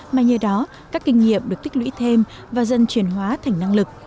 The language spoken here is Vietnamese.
mà nhờ đó các kinh nghiệm được tích lũy thêm và dần truyền hóa thành năng lực